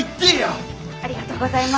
ありがとうございます。